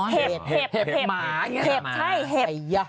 เห็บเห็บหัวหัวเห็บ